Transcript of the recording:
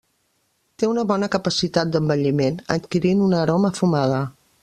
Té una bona capacitat d'envelliment adquirint una aroma fumada.